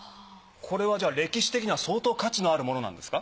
これはじゃあ歴史的には相当価値のあるものなんですか？